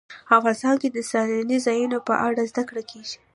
افغانستان کې د سیلانی ځایونه په اړه زده کړه کېږي.